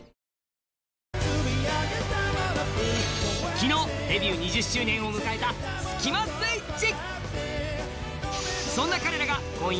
昨日デビュー２０周年を迎えたスキマスイッチ！